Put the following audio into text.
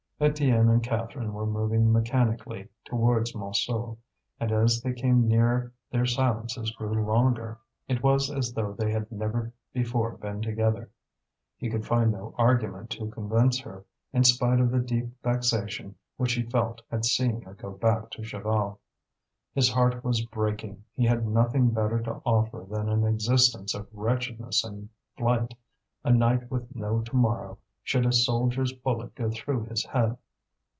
Étienne and Catherine were moving mechanically towards Montsou, and as they came nearer their silences grew longer. It was as though they had never before been together. He could find no argument to convince her, in spite of the deep vexation which he felt at seeing her go back to Chaval. His heart was breaking, he had nothing better to offer than an existence of wretchedness and flight, a night with no to morrow should a soldier's bullet go through his head.